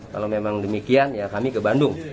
kalau memang demikian ya kami ke bandung